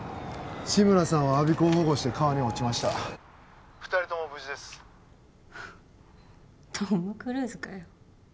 志村さんは我孫子を保護して川に落ちました二人とも無事ですトム・クルーズかよ